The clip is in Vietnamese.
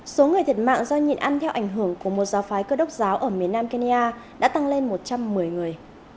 số người thiệt mạng do nhìn ăn theo ảnh hưởng của một giáo phái cơ đốc giáo ở miền nam kenya đã tăng lên một trăm một mươi người